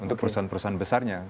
untuk perusahaan perusahaan besarnya